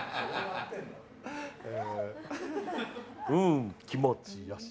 ん、気持ちよし。